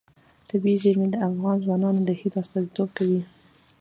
طبیعي زیرمې د افغان ځوانانو د هیلو استازیتوب کوي.